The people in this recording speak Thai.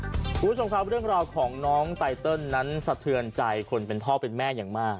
คุณผู้ชมครับเรื่องราวของน้องไตเติลนั้นสะเทือนใจคนเป็นพ่อเป็นแม่อย่างมาก